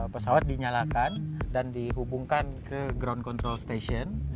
pesawat dinyalakan dan dihubungkan ke ground control station